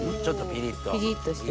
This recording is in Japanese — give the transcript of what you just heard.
ちょっとピリっと。